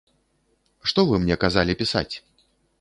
Што вы мне казалі пісаць?